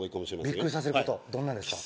ビックリさせることどんなですか？